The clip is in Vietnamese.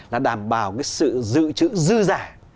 là đảm bảo cái sự dự trữ dư giả